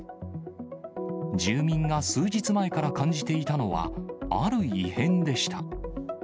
住民が数日前から感じていたのは、ある異変でした。